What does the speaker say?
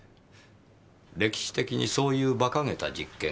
歴史的にそういう馬鹿げた実験があった。